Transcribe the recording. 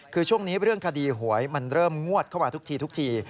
คือช่วงนี้เรื่องคดีหวยมันเริ่มงวดเข้ามาทุกทีทุกที